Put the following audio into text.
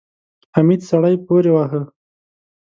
حميد سړی پورې واهه.